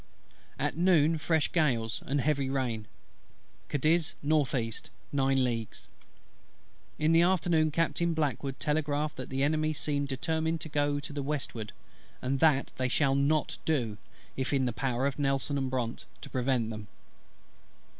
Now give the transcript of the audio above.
At noon fresh gales, and heavy rain: Cadiz N.E. nine leagues. In the afternoon Captain BLACKWOOD telegraphed that the Enemy seemed determined to go to the westward; and that they shall not do, if in the power of NELSON AND BRONTE to prevent them.